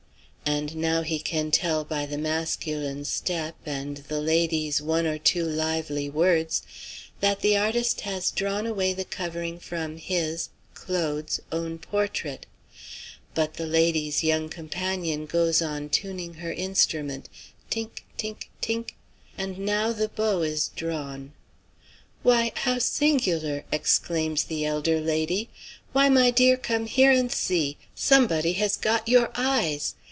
And now he can tell by the masculine step, and the lady's one or two lively words, that the artist has drawn away the covering from his (Claude's) own portrait. But the lady's young companion goes on tuning her instrument "tink, tink, tink;" and now the bow is drawn. "Why, how singular!" exclaims the elder lady. "Why, my dear, come here and see! Somebody has got your eyes!